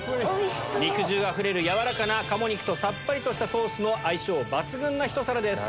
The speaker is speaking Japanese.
肉汁あふれる軟らかな鴨肉とさっぱりとしたソースの相性抜群なひと皿です。